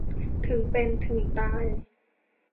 ถึงเป็นถึงตาย